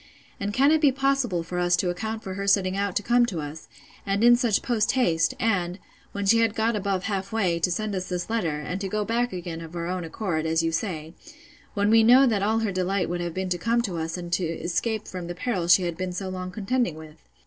And can it be possible for us to account for her setting out to come to us, and in such post haste, and, when she had got above half way, to send us this letter, and to go back again of her own accord, as you say; when we know that all her delight would have been to come to us and to escape from the perils she had been so long contending with?